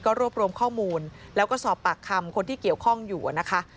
รวบรวมข้อมูลแล้วก็สอบปากคำคนที่เกี่ยวข้องอยู่นะคะ